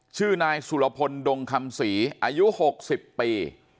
ชื่อนายสุรพลดงคำศรีอายุ๖๐ปี